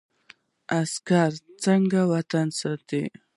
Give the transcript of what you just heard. عسکر څنګه وطن ساتي؟